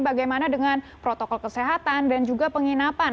bagaimana dengan protokol kesehatan dan juga penginapan